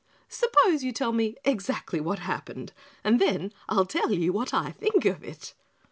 "Suppose you tell me exactly what happened and then I'll tell you what I think of it."